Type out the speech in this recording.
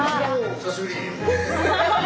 お久しぶり。